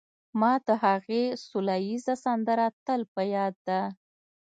ما د هغې سوله ييزه سندره تل په ياد ده